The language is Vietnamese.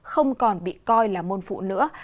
không còn bị coi là môn phụ nữa